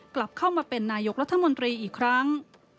กลับเข้ามาเป็นนายกรัฐมนตรีอีกครั้ง